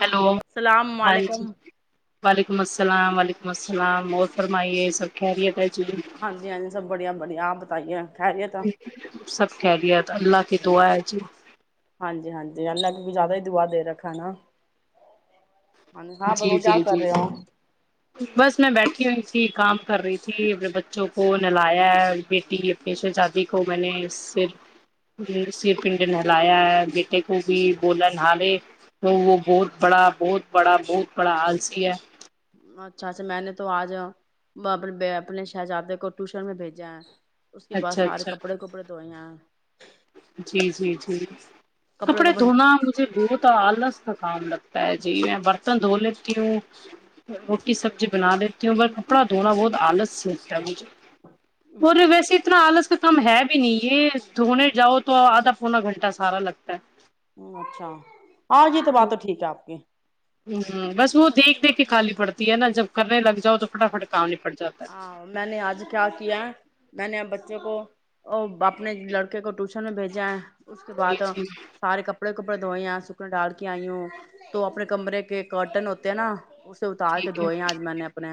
hello hello السلام و ہاں جی علیکم وعلیکم وعلیکم السلام علیکم السلام اور فرمائیے سب خیریت ہے جی ہاں جی ہاں جی سب بڑھیا [unintelligible] سب کہہ دیا اللہ کہ تو آیا جی ہاں جی ہاں ج ال لگ کو زیادہ ہی دعا دے رکھا نا ہاں ہاں جی بتاؤ کیا جی کر جی رہے ہو بس میں بیٹھا ہو تھی کام کر رہی تھی اپنے بچوں کو نہلایا ہے بیٹی اپنی شہزادی کو میں نےر سر پنڈ نہلایا ہے بیٹے کو بھی بولا نہارے تو وہ بہت بڑا بہت بڑا بہت بڑا عالسی ہے اچھا اچھا میں نے تو آج اپنے شہزادے کو ٹیوشن میں بھیجا ہے اس کے بعد اچھا سارے اچھا کپڑے کپڑے دوئے ہیں جی جی جی کپڑے دھونا مجھے بہت آلس کاام لگتا جی میں برتن دھو لیتی ہوں روٹی سبزی بنا لیتی ہوں ب کپڑا دھونا بہت آلس سے لگتا ہے مجھے اور ویستنا آلس کم ہے بھی نہیں یہ دھونے جاؤ تو آدا پونا گنٹہ سارا لگتا ہے ہ اچھا آ جی تو بات تو ٹھیک ہے آپ کے ہ ہ بس وہ دیکھ کے کالانی پڑتی ہے نا جب کرنے لگاؤ تو فٹاٹ کامنی پڑتی ہاں میں نے آج کیا کیا میں نے بچوں کو بپ اپنے لڑکے کو ٹیوشن پ بھیجا اس کے جی بعد جی سارے کپڑے کپڑے دھوئے ہیں سکن ڈال کے آئی ہوں تو اپنے کمرے کے کرٹن ہوتے ہیں نا اسے اتار کے ٹھیک ہے دھوئے آج میں نے اپنے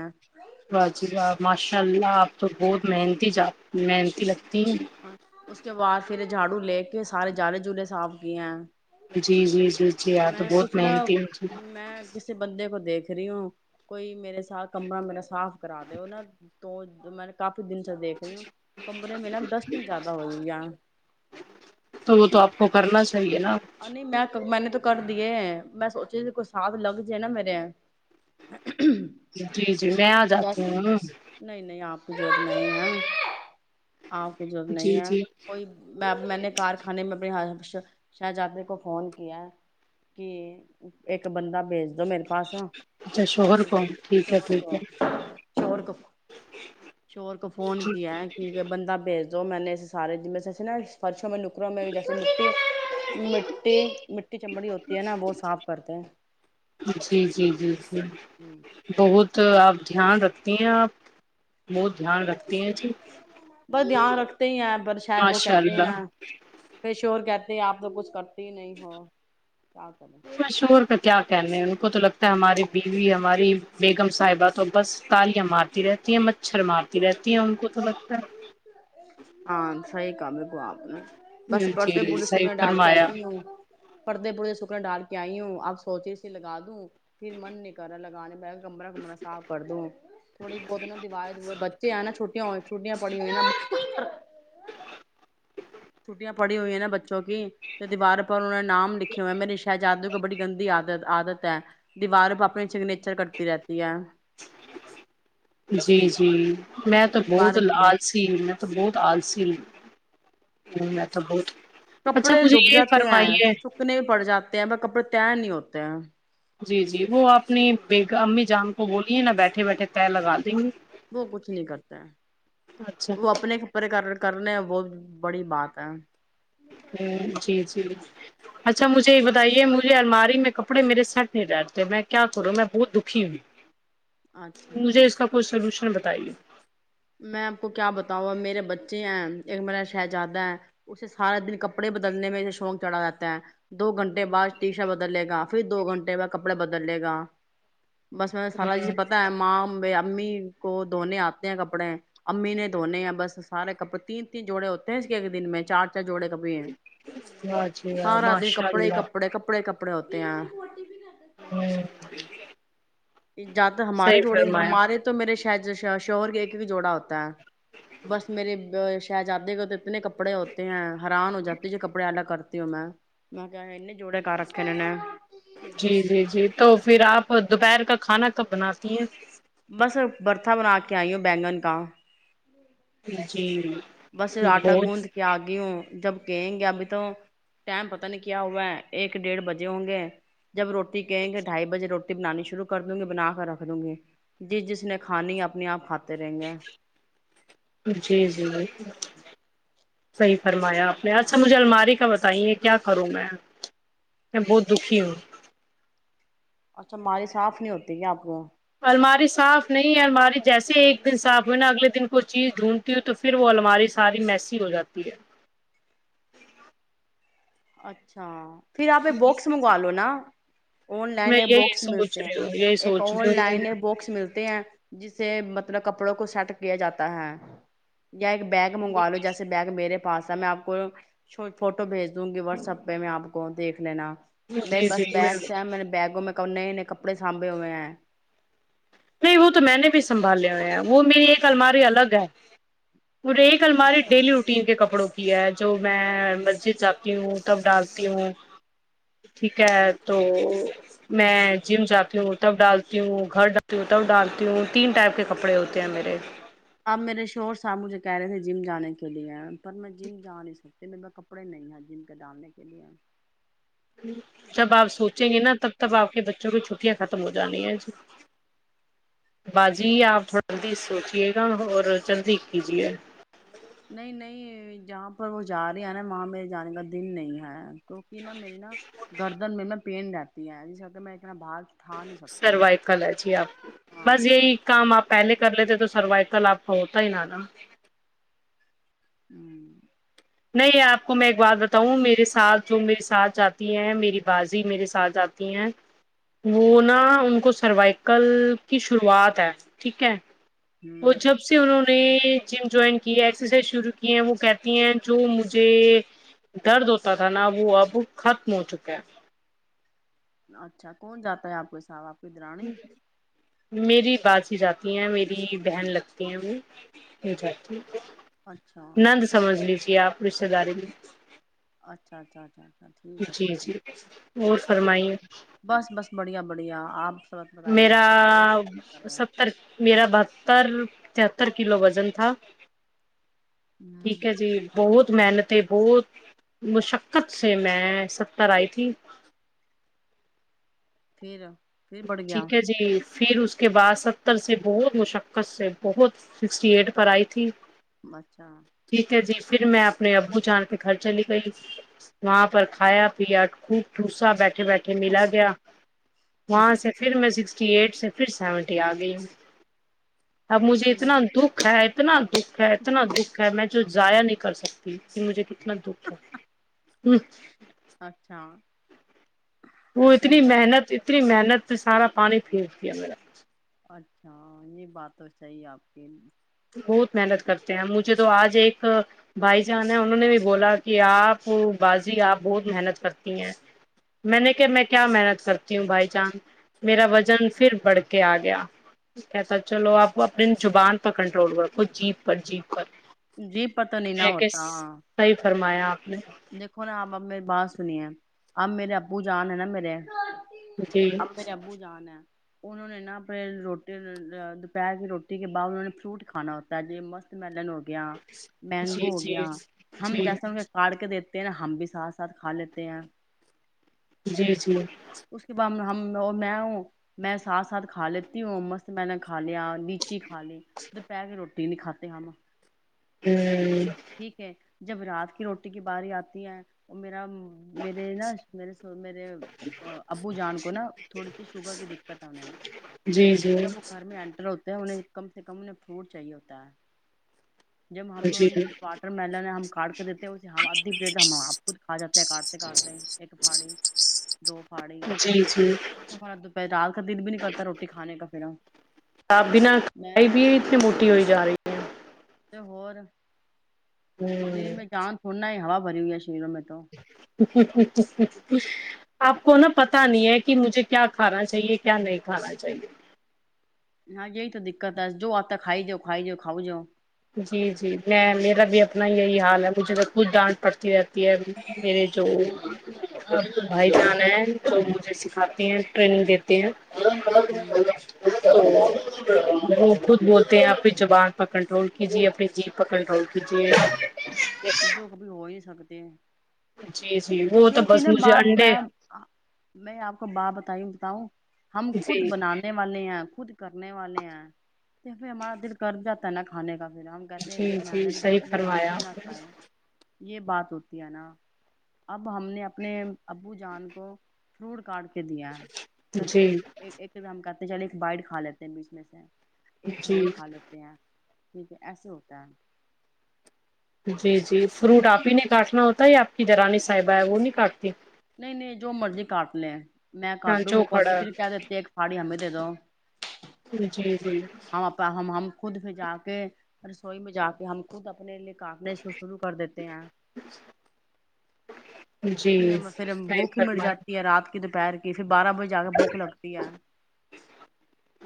واہ جی واہ ماشاء اللہ آپ تو بہت محنتی جا محنتی لگتی ہیں ہاں اس کے بعد پھر جھاڑو لے دیکھے سارے جالے جلے صاف کی ہیں جی جی جی آپ تو میں بہت کچھ نہا محنتی ہیں میں کسی بندے کو دیکھ د رہی ہوں کوئی میرے ساتھ کمرا میرا صاف کرا د ہوا تو میں نے کپ کچھ دن سے دیکھ رہی ہو کمرے میں نا ڈس دن زیادہ ہوئی اں تو وہ تو آپ کو کرنا چاہیے نا اور نہیں میں میں نے تو کر دیے میں سوچا ت کوئی ساتھ لگ جائے نا میرے جی جی میں آ جاتی ہوں جور نہیں ہیں آپ کی جرورت نہیں جی ہے جی کوئی میں نے کارخانے میں اپنیس اچھا شاہجادے کو فون کیا کہ ایک بندہ بھیج میرے پاس اچھا شوہر ہے کو ج ٹھیک ہے شور ٹھیک کو ہے شور کو شور کو فون کیا ہے کیک بند بھیج جو میں نے سار جی میں سے ایےا فرش م ککروں میں بھی جیسے مٹی ت م [unintelligible] جی جی جی بہت اپ جاں رکھتی ہیں آپ وہت دھیان رکھتی ہیں جی بس دھیان رکھتے ہی ہیں رشا وہ ماشاء کہتے ہیں اللہ پ شور کہتے آ تو کچھ کر مشہور کا کیا کہنے ان کو تو لگتا ہے ہماری بیوی ہماری بیگم صاحبہ تو بس تالیاں مارتی رہتی ہیں مچھر مارتی رہتی ہے ان کو تو لگتا ہے ہاں سائ [unintelligible] کام کو آپ نے بس ہے پرد جی پد صحیح سکنے ڈال کے فرمایا آئی ہووں پرتے پڑتے سکنے ڈال کے کیائی ہوں آپ سوچے سے لگا دوں پھر من نہیں کر رہا لگانے میں کمرا کمر صاف کر دوں تھوڑی بہت نا دیوار بچے ہیں نا چھٹیاں چھٹیاںڑی ہوئی نا ہاں [unintelligible] چھٹٹیں پڑی ہوئی ہیں ن بچے جوونک دیوار پر انہوں نے نام لکھے ہوئے ہیں میر نے شاہ جادو کو بڑی گندی عادت عادت دیوار اپنے سگنیر ر کرتی رہتی ہے ہوں میں تو پھر بار بہت ہاں لالسیی تو بہت آلسی ہوں میں تو بہت اچھا کپڑے مجھے دب یہ جاتے ہیں فرمائیے سکنے پڑ جاتے ہیں ب کپڑے تیر نہیں ہوتے تا جی جی وہ آپ نے امی جان کو بولیے نا بیٹھے بیٹھے طےیر لگا دیں گے وہ کچھ نہیں کرتا ہے اچھا وہ اپنے کپرے کر ر کرنے ہیں بہت ببڑی بات ہے ہ جی جی اچھا مجھے یہ بتائیے مجھے الماری میں کپڑے میرے سٹ نہیں ڈرتے میں کیا کروں میں بہت دکھی ہوں اچھا مجھے اس کا کچھ سلوشن نے بتائیے میں آپ کو کیا بتاؤں میرے بچے ہیں ایک میرا شہزادہ ہے اسے سارا دن ک کپڑے بدنے میں شوق چڑھا جاتا ہے دو گھنٹے کے بعد ٹی شا بدلے گا کافی دو گھنٹے میں کپڑے بدلے گا بس میں سارا چیز پتتا ہے ماںپ امی کو دنے آتے ہیں کب کپڑے امی نے دھونے ہیں بس سارے کپڑے تین تین جوڑے ہوتے ہیں اس ایک دن میں چار جوڑے کبھی ہیں واہ جی واہ سارا دن ماشاء کپڑے ہی کپڑے کپڑے کپڑے کپڑے ہوتے آ ہ جیا ہمارے جوڑے ہمارے تو میرے شا شہور کے جوڑا ہوتا ہے بس میرے شہزادے کے تو اتنے کپڑے ہوتے ہیں حیران ہو جاتی جو کپڑے الگ کرتی ہوں میں میں جوڑے کہاں رکھے انہوں نے جی جی جی تو پھر آپ اور دوپہر کا کھانا کب بناتی ہیں بس برتا بنا کے آئی ہو بینگن کااں جی بس آٹا گوند بہت کے آگی ہوں جب کہیں گے ابھی تو ٹائم پت نہیں کیا ہوا ہے ایک ڈیڑھ بجے ہوں گے جب روٹی کہیں گے ڈھائی بجے روٹی بنانی شروع کر دوں گی بنا کے رکھ دوں گی جس جس نے کھانی اپنے آپھات جی جی ہ صحی فرمایا آپ اچھا مجھے الماری کا ب بتے کیا کروں میں میں بہت دکھی ہوں اچھا ماری صاف نہیں ہوتی کیا آپ کو الماری صاف نہیں ہے الماری جیسے ایک دن صاف ہوئے نا اگلے دن کوئی چیز ڈھونڈتی ہوں تو پھر وہ الماری ساری میسی ہو جاتی ہے اچھا پھر آپ ایک باکس منگوا لو نا آن لائن میں یہ یہی بکس سوچ ملتے ہیں رہی ہوں یہی ایک سوچ آن رہی ہوں لائن یہ بکس ملتے ہیں جسے مطلب کپڑوں کو سیٹ کیا جاتا ہے یا ایک بیگ منگوا لو جیسے بیگ میرے پاس ہے میں آپ کو فوٹو بھیج دوں گی واٹسپ پہ میں آپ کو دیکھ لینا میرے جی پاس جی بیگس ہیں میں نے بیگوں میں کپڑے سانبے ہو میںئے ہے نہیں وہ تو میں نے بھی سنبالے ہو ہے وہ میری ایک الماری الگ ہے وہے ایک ال ہماریے اچھا ڈیلی روٹین کے کپڑوں کو جو میں مسجد جاتی ہوں تب ڈالتی ہوں ٹھیک اچھا ہے تو اچھا میں جم جاتی ہوں تب ڈالتی ہوں گھر تی تب ڈالتی ہوں تین ٹائپ کے کپڑے ہوتے ہیں میرے اب میرے شور صاحب مجھے کہہ رہے تھے جم جانے کے لیے پر میں جم جا نہیں سکتی میرے پا کپڑے نہیں ہیں جم کے ڈالنے کے لیے جب آپ سوچیں گے نا تب تب آپ کے بچوں کی چھٹیاں ختم ہو جانی ہیں باجی آپ تھوڑا جلدی سوچے گا اور جلدی کیجیے نہیں نہیں جہاں پر وہ جا رہی ہیں نا وہاں میر جانے کا دن نہیں ہے توک نہا میری نا گردن میں میں پین جاتتی ہے جی س میں اتنا بھار اٹھا نہیں سکتی سروائکل ہے جی آپ ہاں بس یہی کام آپ پہلے کر لیتے تو سروائکل آپ کا ہوتا ہی ن نا ہوں [unintelligible] نہیں آپ کو میں ایک بات بتاؤں میرے ساتھ جو میرے ساتھ جاتی ہیں میری بازی میرے ساتھ جاتی ہیں وہ نا ان کو سروائیکل کی شروعات ہے ٹھیک ہے وہ ہوں جب سے انہوں نے جم جوائن کی ہے ایکسرسائز شرو کی ہے وہ کہتی ہیں جو مجھے درد ہوتا تھا نا وہ اب ختم ہو چکا ہے اچھا کون جاتا ہے آپ کوساب آپ کی درانی میری باز ہی جاتی ہیں میری بہن لگتی ہیں جاتی اچھا نند سمجھ لیجے آپ رشتے داری میں اچھا اچھ اچا جی جی اور فرمائیے بڑیا آپ سبت بتائیے میرا آپ کا شور کر رہے ہیں ستر میرا بہتر تتر کلو وزن تھا ٹھیک ہوں ہے جی بہت محنتیں بہت مشقت سے میں ستر آئی تھی پھر پھر بڑھ گیا ٹھیک ہے جی پھر اس کے بعد ستر سے بہت مشقت سے بہت سکسٹی ایٹ پر آئی تھی ٹھیک ہے جی [unintelligible] پھر میں اپنے ابو جان کے گھر چلی گئی وہاں پر کھایا پیا خوب ٹوسا بیٹھ اٹھے بیٹھے ملا گیا وہاں سے پھر میں سکسٹی ایٹ سے پھر سیونٹی آ گئی ہ اب مجھے اتنا دکھ ہے اتنا دکھ ہےاتنا دکھ ہے میں جو ضائع نہیں کر سکتی کہ مجھے کتنا دکھ ہے ہ اچھا وہ اتنی ٹھیک ہے محنت اتنی محنت سے سارا پانی پھینر دیا میرا اچھا یہ بات تو صحیح آپ کے بہت محنت کرتے ہیں مجھے تو آج ایک بھائی جان ہے انہوں نے بھی بولا کہ آپ بازی آپ بہت محنت کرتی ہیں میں نے کہ میں کیا محنت کرتی ہوں بھائی جان میرا وزن پھر بڑھ کے آ گیا کہتا چلو آپ اپنی چبان کنٹرول کرو کو جیپ پر جیپ جی پتا نہیں نہا ہوتا ایا آپ نے دیکھو نا آب اب میری بات سنی ہے اب میرے ابو جان ہے نا میرے جی اب میرے ابو جان ہیں انہوں نے نا پ روٹی دوپہر کی روٹی کے بعد انہوں نے فروٹ کھانا ہوتا ہے یہ مسک میلن گیا جی مینگو ہو جی گیا ہم جی جیسا کار دیتے ہیں نا ہم بھی ساتھ ساتھ کھا لیتے ہیں جی جی اس کے بعد میں ہم میں ہوں میں ساتھ ساتھ کھا لیتی ہوں مسک میلن نےھ کھا لیا نیچی کا لی ا توھر پہ کے روٹی [unintelligible] روٹی نہیں کھاتے ہم ہم ہوں ٹھیک ہے جب رات کی روٹی کی باری آتی ہے وہ میر میرے نا مے میرے ابو جان کو نا تھوڑی سی شوگر کی دقت ہے انہیں جی جی جب وہ گھر میں انینٹر ہوتے ہیں انہیں کم سے کم انہیں فروٹ چاہیے ہوتا ہے جب ہم جی واٹر ملن ہم کاٹ کے دیتے ہیں اس ہم ادھی پلیٹ ہم آپ خود کھا جاتے ہیں کاٹتے کاٹتے ایک پاڑی دو پھاڑی جی جی توا دوپہ رات کا دن بھی نہیں کرتا روٹی کھانے کا پھر آپ بنا کھائی بھی اتنی موٹی ہوئی جا رہی تو ہوور ہیں شریر ہ میں چاند توھوڑنا ہے ہوا بری ہوئی ہے شرییر میںیر تو آپ کو نا پتاہ نہیں ہے کہ مجھے کیا کھانا چاہیے کیا نہیں کھانا چاہیے ہاں یہی تو دقت ہے جو آتا کھائی جاؤ کھائی جؤ کاؤ جا جی جی میں میرا بھی اپنا یہی حال ہے مجھے تو خود ڈانٹ پڑتی رہتی ہے میرے جو بھائی بہن ہیں وہ مجھے سکھاتے ہیں ٹریننگ دیتے ہیں ہوں [inaudible] وہ خود بولتے ہیں آپ کے جوان پر کنٹرول کی جی اپنی جی پکڑ پؤ کی جی جو ک بھی ہو ہی سکتا جین جی جی وہ تو کیوںک بس نا مجھے باپ میں انڈے میں آپ کو باپ بتائی بتاؤں ہم خود جی بنانے والے ہیں خود کرنے والے ہیں تو پھر ہمارا دل کر جا ہے نا کھانے کا ہم کہتے ہیں جی ت جی صحیح محنت ہم فرمایا کیوں نہ آپ نے کھائے یہ بات ہوتی ہے نا اب ہم نے اپنے ابو جان کو فروٹ کاٹ کے دیا چل جی ایک ہم چل ایک بائٹ کا لیتے ہیں بیس سے ایک جی ہور خالت ہیں ٹیک ہے ایا ہوتا جی جی فروٹ آپ ہی نے کاٹنا ہوتا ہے یا آپ کی جرانی سے صابہ ہے وہ نہیں کاٹتی اپ ل میں کٹوں وہ سانچو کوٹی کھڑا پھر کہہ د دیتے ایک سڑیم جدو جی جی ہم ہم خود پ جا کے رسوئی میں جا کے ہم خود اپنے لیے کاپنے شروع کر دیتے ہیں [unintelligible] کہ پھر صحیح بھوک ہی مر فرما جاتی ہے رات کی دوپہر کی کہ پھر بارہ بجے ج کے بھوک لگتی ہے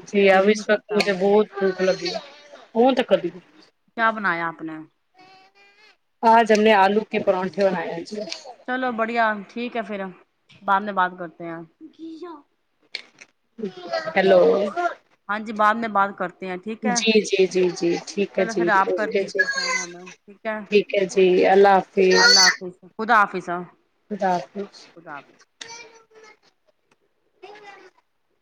جی پھر دل اب ہی اس نہیں وقت کرتا مجھے ہوں بہت بھوک لگی ہے ا تو [unintelligible] کیا بنایا اپپنے ہاں ج ہم نے آلو کہ پرونٹھے بناائے چلو بڑھیا ٹھیک ہے پھر بعد میں بات کرتے ہیں ہیلو ہاں جی بعد میں بعد کرتا جی جی جی جی ٹھیک ہے چلو جی پھر آپ کر اوکے جی دیجیے فون ہمیں ٹھیک ہے جی اللہ حافظ اللہ حافظ [unintelligible] اداففظ حافظ [inaudible]